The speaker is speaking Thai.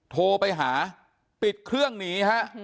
โทรไปหาปิดเครื่องหนีฮะ